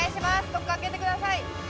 どこか開けてください。